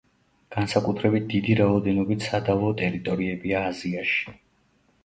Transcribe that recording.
განსაკუთრებით დიდი რაოდენობით სადავო ტერიტორიებია აზიაში.